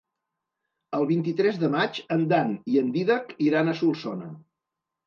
El vint-i-tres de maig en Dan i en Dídac iran a Solsona.